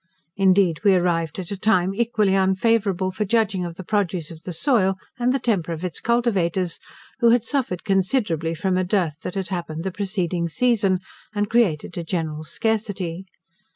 Indeed we arrived at a time equally unfavourable for judging of the produce of the soil and the temper of its cultivators, who had suffered considerably from a dearth that had happened the preceding season, and created a general scarcity.